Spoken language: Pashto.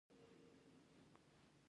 خو د فیوډال په ځمکو کې به یې سستي کوله.